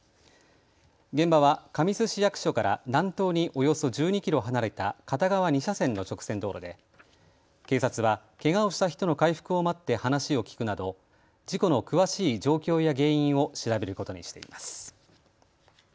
現場は神栖市役所から南東におよそ１２キロ離れた片側２車線の直線道路で警察は、けがをした人の回復を待って話を聞くなど事故の詳しい詳しい状況や原因を調べることにしています。